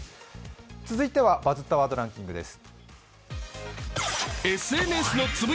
続いては「バズったワードランキング」です。